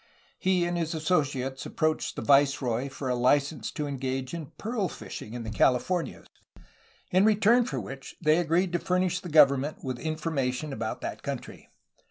He and his associates approached the viceroy for a license to engage in pearl fishing in the Californias, in return for which they agreed to furnish the government with information about that country.